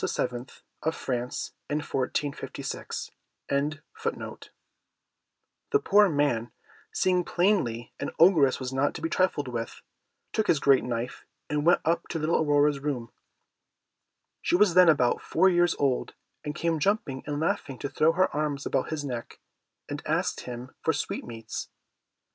" The poor man seeing plainly an Ogress was not to be trifled with, took his great knife and went up to little Aurora's room. She was then about four years old, and came jumping and laughing to throw her arms about his neck, and ask him for sweetmeats.